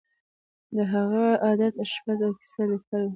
د هغه عادت آشپزي او کیسه لیکل وو